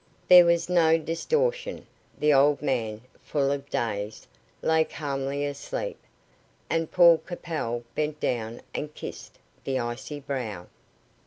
There was no distortion. The old man, full of days, lay calmly asleep, and Paul Capel bent down and kissed the icy brow.